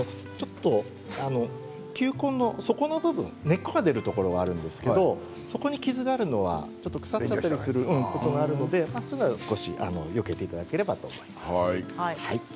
球根の底の部分根っこが出るところがあるんですけれど底に傷があるのはちょっと腐っちゃったりすることがあるのでそういうのは少しよけていただければと思います。